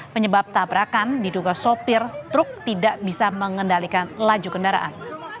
penyebab tabrakan diduga sopir truk tidak bisa mengendalikan laju kendaraan